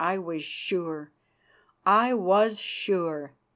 I was sure. I was sure.